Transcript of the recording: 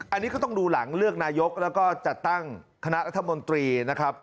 อันนี้ก็ต้องดูหลังเลือกนายกแล้วก็จัดตั้งคณะรัฐมนตรีนะครับ